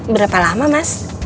berapa lama mas